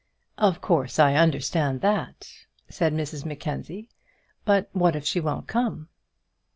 "Of course, I understand that," said Mrs Mackenzie. "But what if she won't come?"